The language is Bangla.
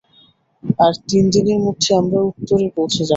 আর তিন দিনের মধ্যে আমরা উত্তরে পৌছে যাব।